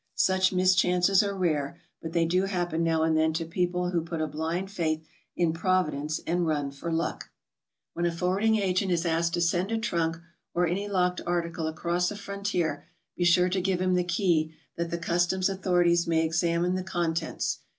Such mischances are rare, but they do happen now and then to people who put a blind faith in Providence and run for luck. When a forwarding agent is asked to send a trunk or any locked article across a frontier, be sure to give him the key that the customs authorities may examine the contents.